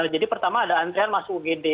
jadi pertama ada antrian masuk ugd